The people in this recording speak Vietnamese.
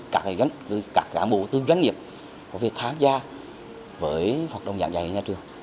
các giảng bộ các doanh nghiệp có thể tham gia với hoạt động giảng dạy ở nhà trường